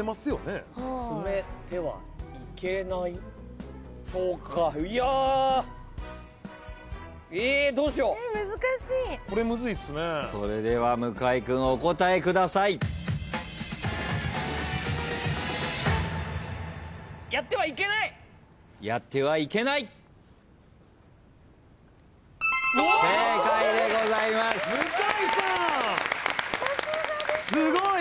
すごい！